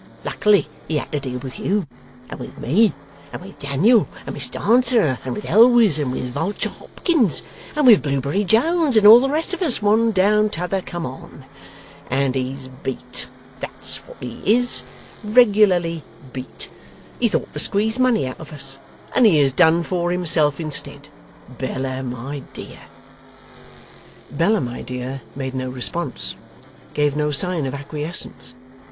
Luckily he had to deal with you, and with me, and with Daniel and Miss Dancer, and with Elwes, and with Vulture Hopkins, and with Blewbury Jones and all the rest of us, one down t'other come on. And he's beat; that's what he is; regularly beat. He thought to squeeze money out of us, and he has done for himself instead, Bella my dear!' Bella my dear made no response, gave no sign of acquiescence.